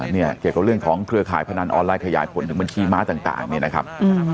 เนี่ยเกี่ยวกับเรื่องของเครือข่ายพนันออนไลนขยายผลถึงบัญชีม้าต่างเนี่ยนะครับ